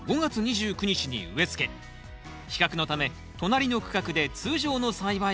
比較のため隣の区画で通常の栽培もしました。